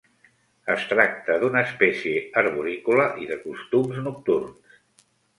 Es tracta d'una espècie arborícola i de costums nocturns.